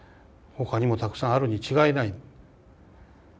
ほかにもたくさんあるに違いない。